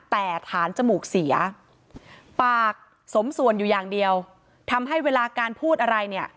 แต่ฐานจมูกเสียปากสมส่วนอยู่อย่างเดียวทำให้เวลาการพูดอะไรเนี่ย